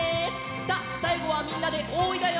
さあさいごはみんなで「おーい！」だよ！